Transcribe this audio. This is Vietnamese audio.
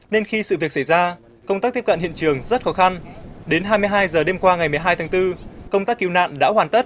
nên khi sự việc xảy ra công tác tiếp cận hiện trường rất khó khăn đến hai mươi hai h đêm qua ngày một mươi hai tháng bốn công tác cứu nạn đã hoàn tất